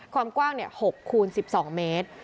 ความกว้าง๖คูณ๑๒เมตร